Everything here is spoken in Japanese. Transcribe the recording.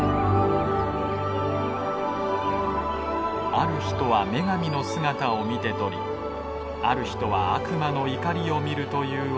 ある人は女神の姿を見て取りある人は悪魔の怒りを見るというオーロラ。